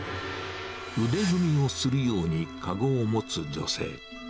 腕組みをするように籠を持つ女性。